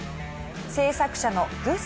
制作者のグさん